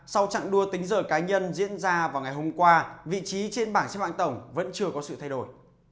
sau trận đua tính giờ cá nhân diễn ra vào ngày hôm qua vị trí trên bảng xếp hạng tổng vẫn chưa có sự thay đổi